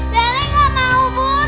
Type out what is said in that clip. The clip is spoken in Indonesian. selly tidak mau buta